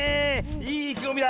いいいきごみだ。